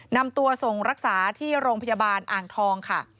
นำตัวส่งรักษาที่โรงพยาบาลอ่างทองค่ะ